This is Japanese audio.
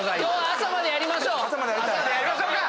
朝までやりましょうか！